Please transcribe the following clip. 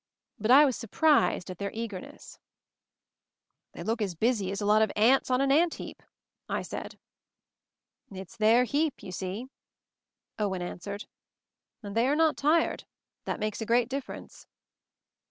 But I was surprised at their eagerness. 182 MOVING THE MOUNTAIN "They look as busy as a lot of ants on an ant heap/ 9 I said. "It's their heap, you see," Owen an swered. "And they are not tired — that makes a great difference."